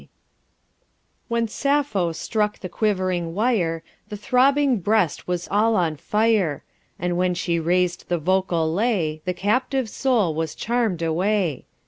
1 When Sappho struck the quivering wire, The throbbing breast was all on fire; And when she raised the vocal lay, The captive soul was charm'd away!